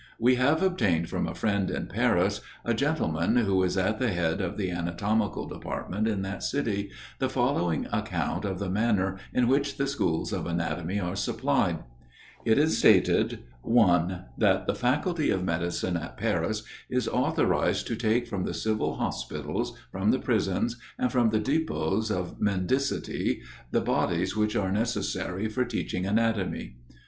We have obtained from a friend in Paris, a gentleman who is at the head of the anatomical department in that city, the following account of the manner in which the schools of anatomy are supplied. It is stated; 1. That the faculty of medicine at Paris is authorized to take from the civil hospitals, from the prisons, and from the depôts of mendicity, the bodies which are necessary for teaching anatomy.